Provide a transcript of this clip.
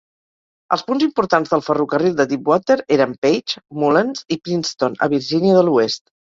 Els punts importants del ferrocarril de Deepwater eren Page, Mullens i Princeton, a Virgínia de l'Oest.